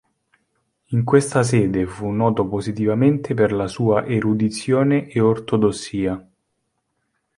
In questa sede fu noto positivamente per la sua erudizione e ortodossia.